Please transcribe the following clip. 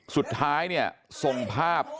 สุดท้ายเนี่ยส่งภาพ